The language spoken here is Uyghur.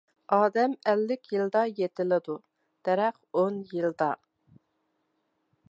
ئادەم ئەللىك يىلدا يېتىلىدۇ، دەرەخ ئون يىلدا.